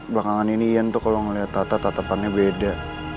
belakangan ini ian tuh kalo ngeliat atta tatapannya beda